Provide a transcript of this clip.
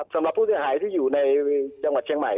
สำหรับผู้เสียหายที่อยู่ในจังหวัดเชียงใหม่